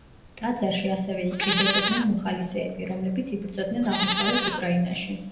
ტაძარში ასევე იკრიბებოდნენ მოხალისეები, რომლებიც იბრძოდნენ აღმოსავლეთ უკრაინაში.